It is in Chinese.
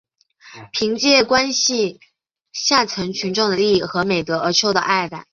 凭借关心下层群众的利益和美德而受到爱戴。